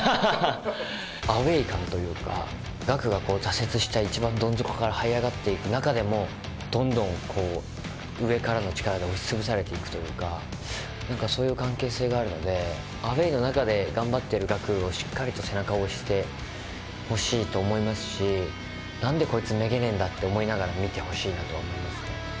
アウェー感というか岳が挫折した一番どん底からはい上がっていく中でもどんどん上からの力で押しつぶされていくというかそういう関係性があるのでアウェーの中で頑張ってる岳をしっかりと背中を押してほしいと思いますし何でこいつめげねえんだって思いながら見てほしいなとは思いますね